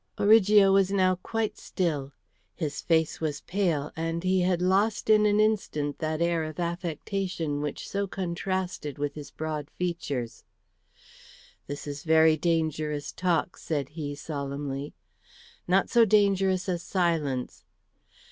Origo was now quite still. His face was pale, and he had lost in an instant that air of affectation which so contrasted with his broad features. "This is very dangerous talk," said he, solemnly. "Not so dangerous as silence."